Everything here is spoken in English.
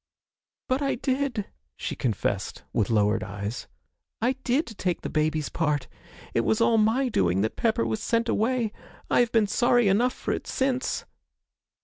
'But I did,' she confessed, with lowered eyes 'I did take the baby's part it was all my doing that Pepper was sent away I have been sorry enough for it since!'